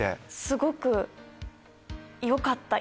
すごくよかった！